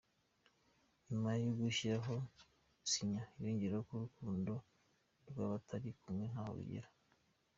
Nyuma yogushyiraho sinya yongeraho ko urukundo rw’abatari kumwe ntaho rugera.